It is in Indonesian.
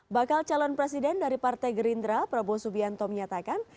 bakal calon presiden dari partai gerindra prabowo subianto menyatakan